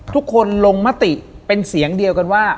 ลงมติเป็นเสียงเดียวกันว่า